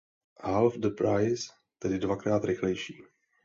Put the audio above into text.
Half the price.“ tedy „Dvakrát rychlejší.